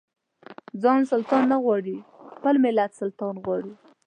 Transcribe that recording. ځان سلطان نه غواړي خپل ملت سلطان غواړي.